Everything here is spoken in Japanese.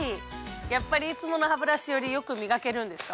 やっぱりいつものハブラシより良くみがけるんですか？